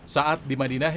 saat di madinah